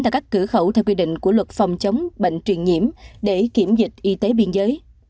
tại các cửa khẩu theo quy định của luật phòng chống bệnh truyền nhiễm để kiểm dịch y tế biên giới